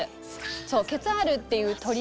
そうケツァールっていう鳥で。